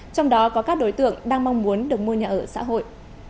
trong đó có các đối tượng đang mong muốn được mua nhà ở xã hội